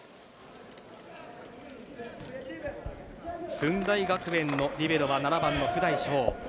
駿台学園のリベロは７番の布台聖。